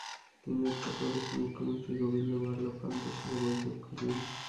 তিনি উত্তরপ্রদেশের মুখ্যমন্ত্রী গোবিন্দ বল্লভ পান্তের সাথে বৈঠক করেন।